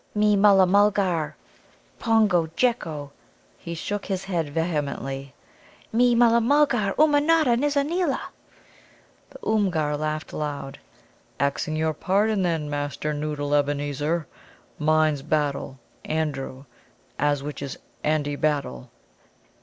"Me Mulla mulgar, Pongo Jecco" he shook Ins head vehemently "me Mulla mulgar Ummanodda Nizza neela." The Oomgar laughed aloud. "Axing your pardon, then, Master Noddle Ebenezer, mine's Battle Andrew, as which is Andy, Battle."